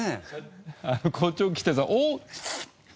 あの校長来てさおっ！